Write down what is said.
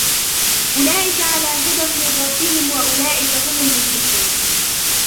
أُولَئِكَ عَلَى هُدًى مِنْ رَبِّهِمْ وَأُولَئِكَ هُمُ الْمُفْلِحُونَ